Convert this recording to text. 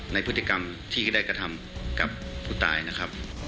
ในพฤติกรรมที่ได้กระทำกับผู้ตายนะครับ